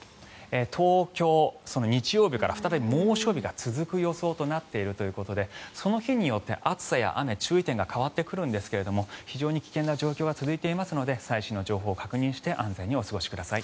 東京、日曜日から再び猛暑日が続く予想となっているということでその日によって暑さや雨注意点が変わってくるんですが非常に危険な状況が続いていますので最新の情報を確認して安全にお過ごしください。